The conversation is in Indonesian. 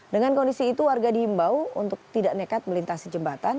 dengan kondisi itu warga diimbau untuk tidak nekat melintasi jembatan